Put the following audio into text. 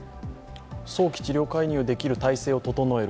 早期治療介入できる体制を整える、